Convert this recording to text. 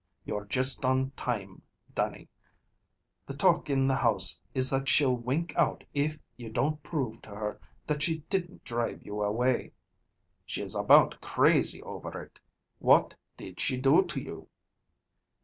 You're just on time, Dannie. The talk in the house is that she'll wink out if you don't prove to her that she didn't drive you away. She is about crazy over it. What did she do to you?"